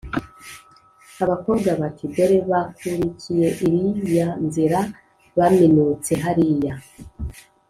abakobwa bati ‘dore bakurikiye iriya nzira, baminutse hariya.’